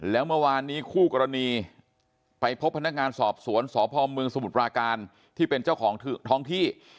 แล้วเมื่อวานนี้คู่กรณีไปพบพนักงานสอบสวนสพเมืองสมุทรปราการที่เป็นเจ้าของท้องที่